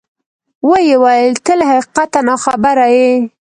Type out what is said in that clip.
ویې ویل: ته له حقیقته ناخبره یې.